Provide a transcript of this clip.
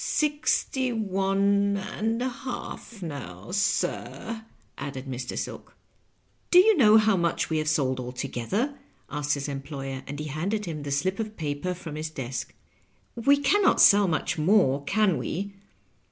^^ Sixty one and a half now, sir," added Mr. Silk. "Do you know how much we have sold altogether? " asked his employer ; and he handed him the slip of paper from his desk. " We can not sell much more, can we?"